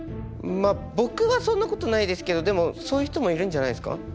僕はそんなことないですけどでもそういう人もいるんじゃないですか。